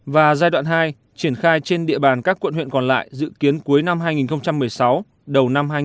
và giai đoạn hai triển khai trên địa bàn các quận huyện còn lại dự kiến cuối năm hai nghìn một mươi sáu đầu năm hai nghìn hai mươi